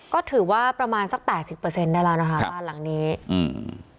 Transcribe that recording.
ก็ถือว่าประมาณสักแปดสิบเปอร์เซ็นต์ได้แล้วนะคะบ้านหลังนี้อืม